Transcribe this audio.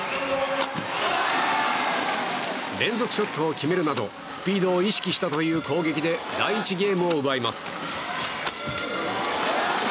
連続ショットを決めるなどスピードを意識したという攻撃で第１ゲームを奪います。